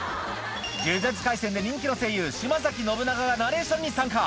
『呪術廻戦』で人気の声優島信長がナレーションに参加